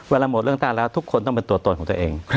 เวลาหมดเลือกตั้งแล้วทุกคนต้องเป็นตัวตนของตัวเอง